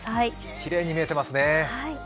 きれいに見えていますね。